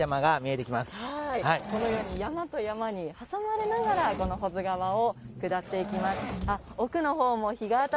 このように山と山に挟まれながら保津川を下っていきました。